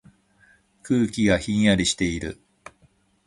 空気がひんやりしている。